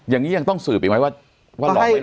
อย่างนี้ยังต้องสืบอีกไหมว่าร้องไม่รู้